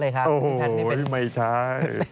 โอ้โหไม่ใช่